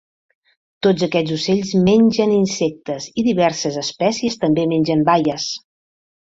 Tots aquests ocells mengen insectes i diverses espècies també mengen baies.